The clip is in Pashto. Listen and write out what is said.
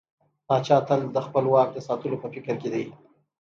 پاچا تل د خپل واک د ساتلو په فکر کې دى.